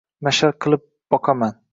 Mash’al qilib boqaman.